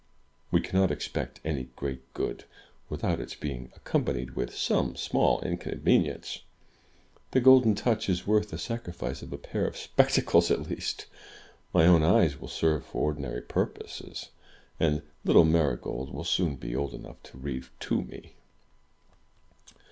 "We cannot expect any great good, without its being accompanied with some small inconvenience. The Golden Touch is worth the sacrifice of a pair of spectacles, at least. My own eyes will serve for ordinary purposes, and little Marygold will soon be old enough to read to me.'